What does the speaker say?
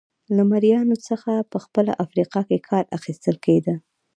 له مریانو څخه په خپله په افریقا کې کار اخیستل کېده.